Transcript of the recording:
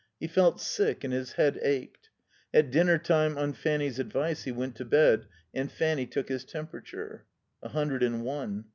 He felt sick and his head ached. At dinner time, on Fanny's advice, he went to bed and Fanny took his temperature. A hundred and one.